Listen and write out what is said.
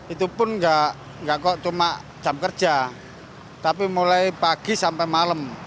itu pun nggak kok cuma jam kerja tapi mulai pagi sampai malam